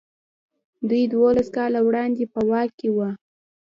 دوی دولس کاله وړاندې په واک کې وو.